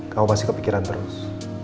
kamu pasti kepikiran terus